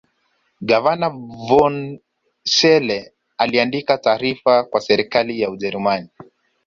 Gavana von Schele aliandika taarifa kwa serikali ya Ujerumani